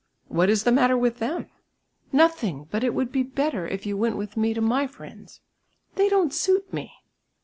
"What is the matter with them?" "Nothing, but it would be better if you went with me to my friends." "They don't suit me."